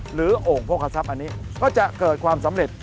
โอ่งโภคทรัพย์อันนี้ก็จะเกิดความสำเร็จ